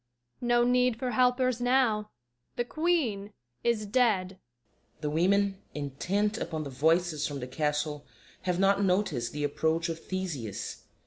No need for helpers now; the Queen is dead! [The Women, intent upon the voices from the Castle, have not noticed the approach of THESEUS.